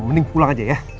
mending pulang aja ya